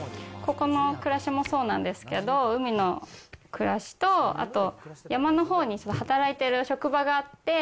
ここの暮らしもそうなんですけど、海の暮らしと、あと山のほうに働いている職場があって。